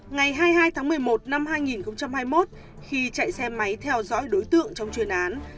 ngày hai mươi hai tháng một mươi một năm hai nghìn hai mươi một khi chạy xe máy theo dõi đối tượng trong chuyên án